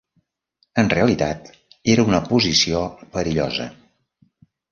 En realitat, era una posició perillosa.